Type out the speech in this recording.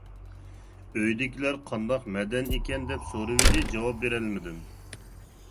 ئۆيدىكىلەر قانداق مەدەن ئىكەن، دەپ سورىۋىدى، جاۋاب بېرەلمىدىم.